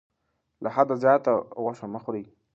له حده زیاته غوښه مه خورئ.